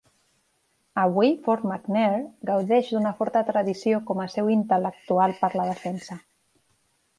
Avui, Fort McNair gaudeix d'una forta tradició com a seu intel·lectual per la defensa.